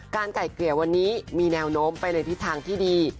ไก่เกลี่ยวันนี้มีแนวโน้มไปในทิศทางที่ดี